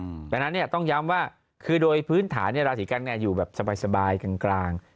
เพราะฉะนั้นเนี่ยต้องย้ำว่าคือโดยพื้นฐานเนี่ยราศีกรรมเนี่ยอยู่แบบสบายกลาง